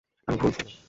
আমি ভুল ছিলাম।